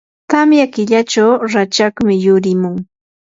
tamya killachaw rachakmi yurimun.